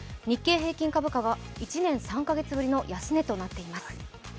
日経平均株価は１年８カ月ぶりの安値となっております。